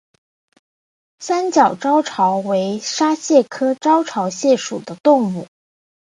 三角招潮为沙蟹科招潮蟹属的动物。